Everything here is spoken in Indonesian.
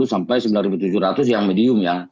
sampai sembilan tujuh ratus yang medium ya